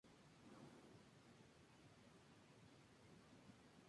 El programa consta de varias secciones.